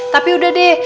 tapi udah deh